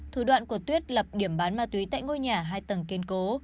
thủ đoạn của tuyết lập điểm bán ma túy tại ngôi nhà hai tầng kiên cố